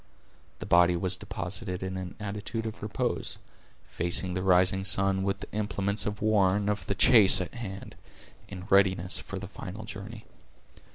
The body was deposited in an attitude of repose, facing the rising sun, with the implements of war and of the chase at hand, in readiness for the final journey.